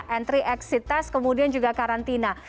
entry exit test kemudian juga karantina